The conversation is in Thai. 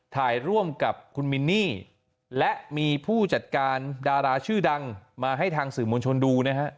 ถ่ายร่วมกับคุณมินนี่และมีผู้จัดการดาราชื่อดังมาให้ทางสื่อมวลชนดูนะฮะ